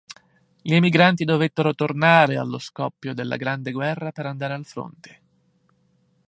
Gli emigranti dovettero tornare allo scoppio della Grande Guerra per andare al fronte.